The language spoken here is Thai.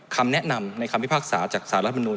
คำแนะนำในคำพิพากษาจากสารรัฐมนุน